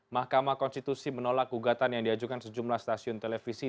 mahkamah konstitusi menolak gugatan yang diajukan sejumlah stasiun televisi